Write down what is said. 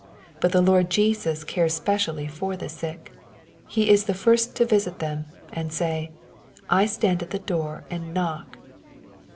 But the Lord Jesus cares specially for the sick. He is the first to visit them, and say, ^'I stand at the door and koock.''